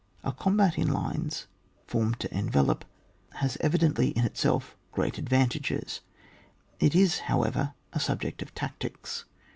A combat in lines, formed to envelope, has evidently in itself great advantages; it is, however, a subject of tactics.